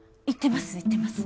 行ってます